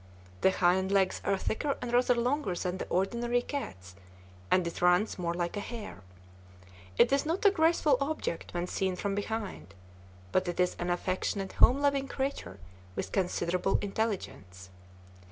The hind legs are thicker and rather longer than the ordinary cat's, and it runs more like a hare. It is not a graceful object when seen from behind, but it is an affectionate, home loving creature with considerable intelligence.